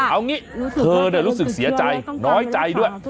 เอางี้เธอรู้สึกเสียใจน้อยใจด้วย